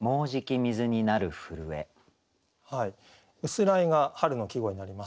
「薄氷」が春の季語になります。